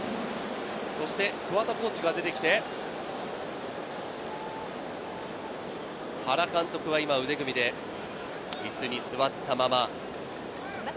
そして桑田コーチが出てきて原監督は今、腕組みで椅子に座ったまま。